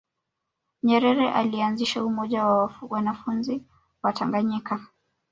nyerere alianzisha umoja wa wanafunzi wa tanganyika